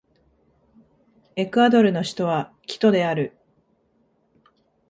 エクアドルの首都はキトである